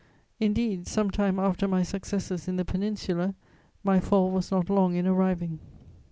Indeed, some time after my successes in the Peninsula, my fall was not long in arriving.